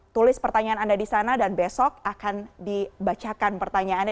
tulis pertanyaan anda di sana dan besok akan dibacakan pertanyaannya